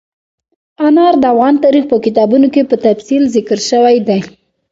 انار د افغان تاریخ په کتابونو کې په تفصیل ذکر شوي دي.